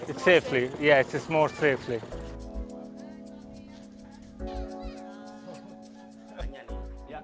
ini lebih aman